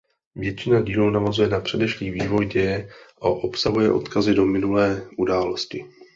Většina dílů navazuje na předešlý vývoj děje a obsahuje odkazy do minulé události.